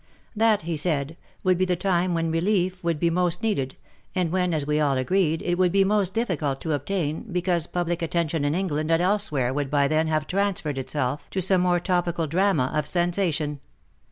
That, he said, would be the time when relief would be most needed and when, as we all agreed, it would be most difficult to obtain, because public attention in England and elsewhere would by then have transferred itself to some more topical drama of sensation.